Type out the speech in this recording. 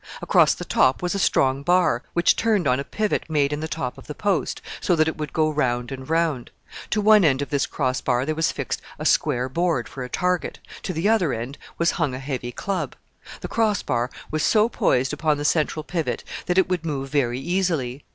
Across the top was a strong bar, which turned on a pivot made in the top of the post, so that it would go round and round. To one end of this cross bar there was fixed a square board for a target; to the other end was hung a heavy club. The cross bar was so poised upon the central pivot that it would move very easily.